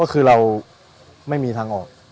ก็คือเราไม่มีทางออก